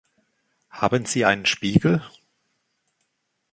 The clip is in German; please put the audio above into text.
Haben Sie einen Spiegel?